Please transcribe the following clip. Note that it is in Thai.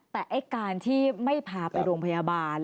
แต่ไอ้การที่ไม่พาไปโรงพยาบาล